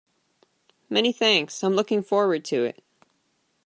Many thanks. I'm looking forward to it.